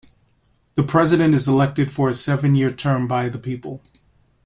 The president is elected for a seven-year term by the people.